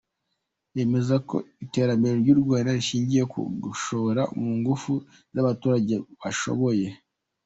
Yemeza ko iterambere ry’u Rwanda rishingiye ku gushora mu ngufu z’abaturage bashoboye.